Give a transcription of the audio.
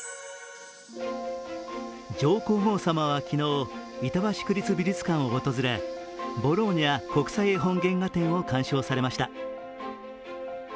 上皇后さまは昨日、板橋区立美術館を訪れ、「ボローニャ国際絵本原画展」を鑑賞されました。